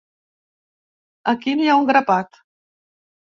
Aquí n'hi ha un grapat.